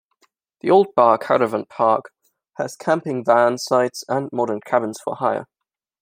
The Old Bar Caravan Park has camping, van sites and modern cabins for hire.